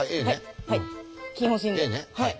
はい。